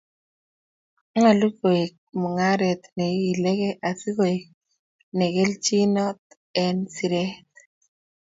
Nyolu koek mungaret ne igiiligei asi koek ne keljinot eng siret